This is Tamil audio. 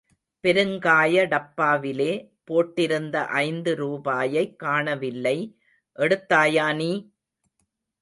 பெருங்காய டப்பாவிலே போட்டிருந்த ஐந்து ரூபாயைக் காணவில்லை, எடுத்தாயா நீ?